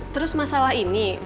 terus masalah ini